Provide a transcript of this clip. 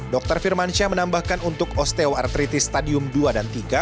dr firmansyah menambahkan untuk osteoartritis stadium dua dan tiga